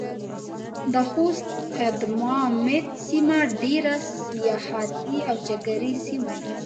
د خوست ادمامد سيمه ډېره سياحتي او چکري سيمه ده.